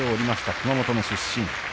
熊本の出身。